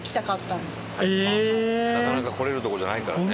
なかなか来れるとこじゃないからね。